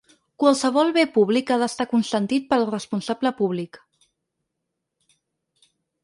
Qualsevol bé públic ha d’estar consentit pel responsable públic.